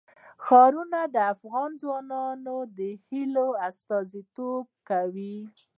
ښارونه د افغان ځوانانو د هیلو استازیتوب کوي.